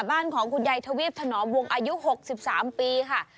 บ้านของคุณยายทวีปถนอมวงอายุ๖๓ปีค่ะ